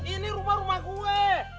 ini rumah rumah gue